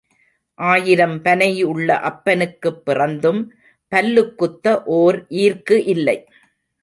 ஆயிரம் பனை உள்ள அப்பனுக்குப் பிறந்தும் பல்லுக் குத்த ஓர் ஈர்க்கு இல்லை.